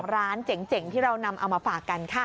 ร้านเจ๋งที่เรานำเอามาฝากกันค่ะ